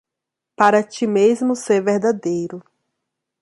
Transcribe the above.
Para ti mesmo ser verdadeiro